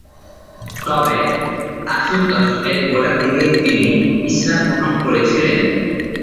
তবে আশির দশকের গোড়ার দিকে তিনি ইসলাম গ্রহণ করেছিলেন।